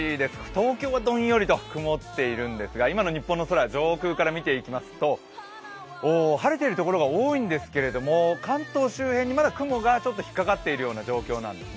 東京はどんよりと曇っていますが東京の空を上空から見ていきますと晴れているところが多いんですけれども関東周辺にまだ雲がちょっと引っ掛かっているような状況です。